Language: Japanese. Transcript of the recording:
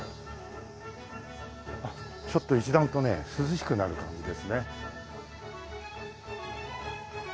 ちょっと一段とね涼しくなる感じですね。